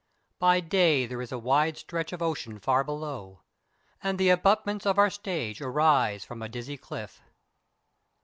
By day there is a wide stretch of ocean far below, and the abutments of our stage arise from a dizzy cliff.